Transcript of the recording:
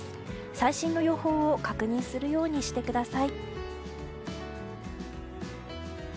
最新の予報を確認するようにしてください。